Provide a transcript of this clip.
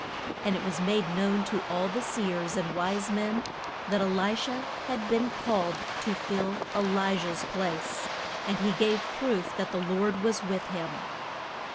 And it was made known to all the seers and wise men that E li sha had been called to fill E li jah's place, and he gave proof that the Lord was with him.